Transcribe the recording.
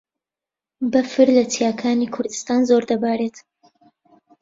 بەفر لە چیاکانی کوردستان زۆر دەبارێت.